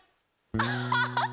アハハハ！